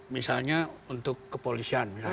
misalnya untuk kepolisian misalnya